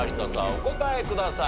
お答えください。